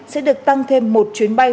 sẽ được tăng thêm một chuyến bay